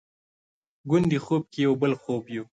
ګوندې خوب کې یو بل خوب یو؟